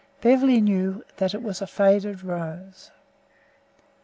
Beverly knew that it was a faded rose!